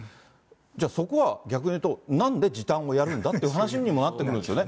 じゃあそこは、逆に言うと、なんで時短をやるんだっていう話にもなってくるんですよね。